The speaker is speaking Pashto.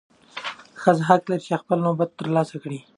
ښځه حق لري چې خپل نوبت ترلاسه کړي.